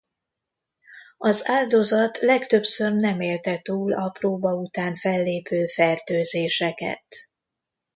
Az áldozat legtöbbször nem élte túl a próba után fellépő fertőzéseket.